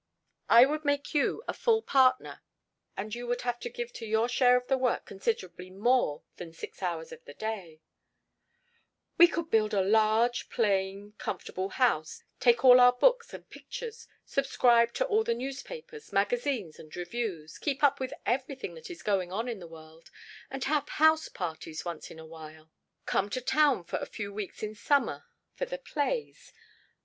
I would make you a full partner and you would have to give to your share of the work considerably more than six hours of the day "We could build a large, plain, comfortable house, take all our books and pictures, subscribe to all the newspapers, magazines and reviews, keep up with everything that is going on in the world, have house parties once in a while, come to town for a few weeks in summer for the plays.